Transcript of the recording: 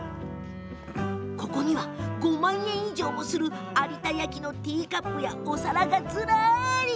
ここには、５万円以上もする有田焼のティーカップやお皿が、ずらり。